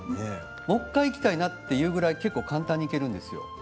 もう１回行きたいなっていうぐらい結構簡単に行けるんですよ。